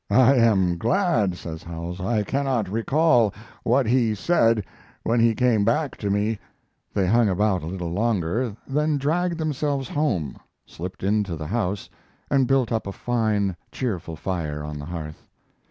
"I am glad," says Howells, "I cannot recall what he said when he came back to me." They hung about a little longer, then dragged themselves home, slipped into the house, and built up a fine, cheerful fire on the hearth.